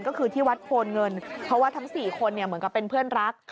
ก็คือที่วัดโพนเงินเพราะว่าทั้ง๔คนเหมือนกับเป็นเพื่อนรัก